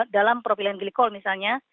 dalam propilen glikol misalnya